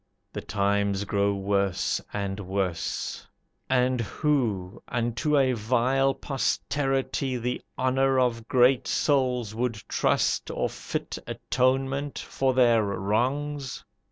The times grow worse and worse; And who, unto a vile posterity, The honor of great souls would trust, Or fit atonement for their wrongs?